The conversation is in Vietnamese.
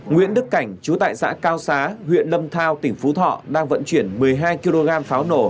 nguyễn đức cảnh chú tại xã cao xá huyện lâm thao tỉnh phú thọ đang vận chuyển một mươi hai kg pháo nổ